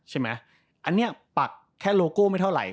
ใช่ไหมอันนี้ปักแค่โลโก้ไม่เท่าไหร